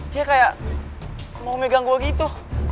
dia kayak mau megang gol gitu